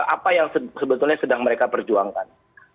apa yang sebetulnya mereka sedang perjuangkan